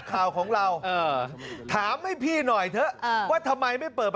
กล้าเก้าไกลการสัมภาษณ์นักการเมืองไทยไม่เหมือนเดิม